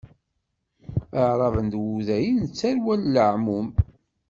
Aɛraben d Wudayen d tarwa n leɛmum.